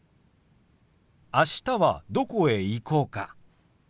あしたはどこへ行こうか？